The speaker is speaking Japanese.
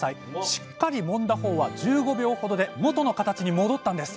しっかりもんだ方は１５秒ほどで元の形に戻ったんです